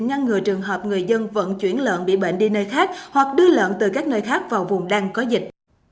ngăn ngừa trường hợp người dân vận chuyển lợn bị bệnh đi nơi khác hoặc đưa lợn từ các nơi khác vào vùng đang có dịch